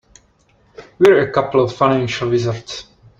We're a couple of financial wizards.